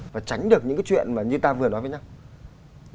và tránh được những cái chuyện mà như ta vừa nói với nhau